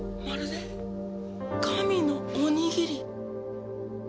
まるで神のおにぎり！